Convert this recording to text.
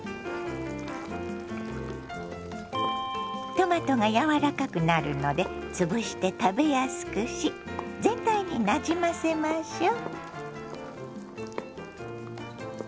トマトが柔らかくなるので潰して食べやすくし全体になじませましょう。